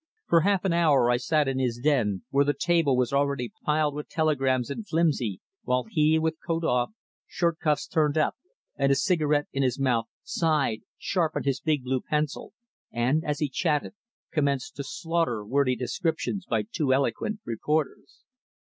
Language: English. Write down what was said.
For half an hour I sat in his den, where the table was already piled with telegrams and flimsy, while he, with coat off, shirt cuffs turned up, and a cigarette in his mouth, sighed, sharpened his big blue pencil, and, as he chatted, commenced to "slaughter" wordy descriptions by too eloquent reporters.